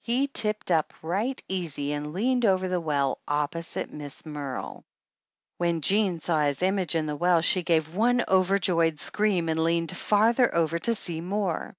He tipped up right easy and leaned over the well, opposite to Miss Merle. When Jean saw his image in the well she gave one overjoyed scream and leaned farther over to see more.